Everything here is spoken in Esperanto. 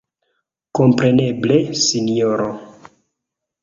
Kompreneble, sinjoro!